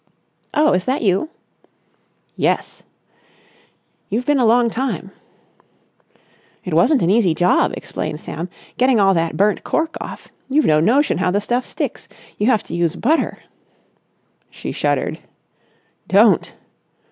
"Oh, is that you?" "Yes." "You've been a long time." "It wasn't an easy job," explained Sam, "getting all that burnt cork off. You've no notion how the stuff sticks. You have to use butter...." She shuddered. "Don't!"